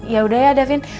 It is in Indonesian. yaudah ya davin